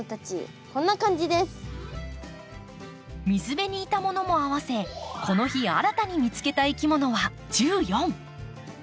水辺にいたものも合わせこの日新たに見つけたいきものは１４。